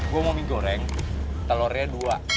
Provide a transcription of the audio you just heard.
gue mau mie goreng telurnya dua